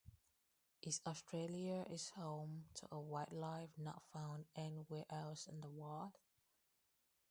Is Australia is home to a wildlife not found anywhere else in the world?